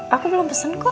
aku belum pesen kok